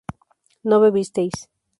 no bebisteis